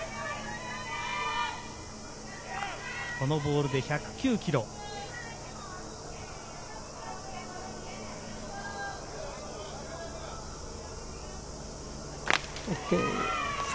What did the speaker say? このボールで１０９キロ。